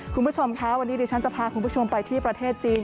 คุณผู้ชมคะวันนี้ดิฉันจะพาคุณผู้ชมไปที่ประเทศจีน